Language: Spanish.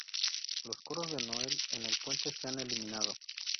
Los coros de Noel en el puente se han eliminado.